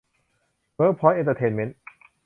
เวิร์คพอยท์ เอ็นเทอร์เทนเมนท์